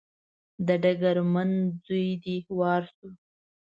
د ډګرمن ځونډي وار شو.